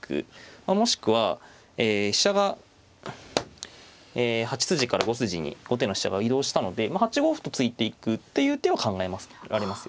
まあもしくは飛車が８筋から５筋に後手の飛車が移動したので８五歩と突いていくっていう手は考えられますよね。